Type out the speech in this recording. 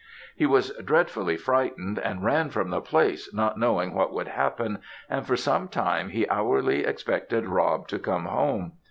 He was dreadfully frightened, and ran from the place not knowing what would happen, and for some time he hourly expected Rob to come home.